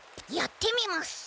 やってみます。